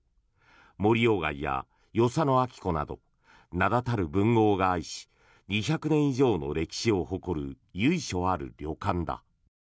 森鴎外や与謝野晶子など名立たる文豪が愛し２００年以上の歴史を誇る由緒ある旅館だ。